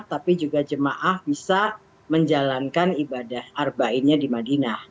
tapi juga jemaah bisa menjalankan ibadah ⁇ arbainnya di madinah